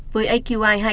với aqi hai trăm ba mươi bảy